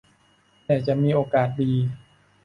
แต่จะมีโอกาสดี